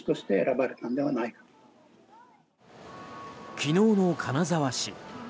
昨日の金沢市。